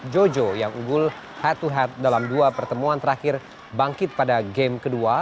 jojo yang unggul head to head dalam dua pertemuan terakhir bangkit pada game kedua